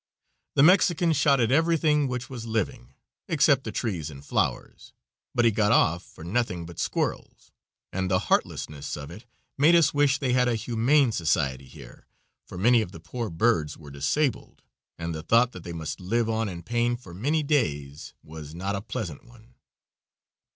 The Mexican shot at everything which was living, except the trees and flowers, but he got off for nothing but squirrels, and the heartlessness of it made us wish they had a humane society here, for many of the poor birds were disabled, and the thought that they must live on in pain for many days was not a pleasant one.